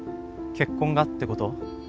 結婚がってこと？